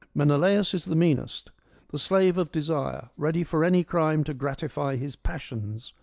Menelaus is the meanest : the slave of desire, ready for any crime to gratify his passions.